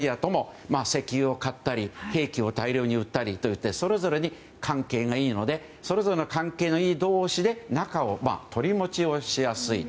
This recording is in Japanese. あるいはサウジアラビアとも石油を買ったり兵器を大量に売ったりとそれぞれに関係がいいのでそれぞれの関係がいい同士で仲を取り持ちをしやすい。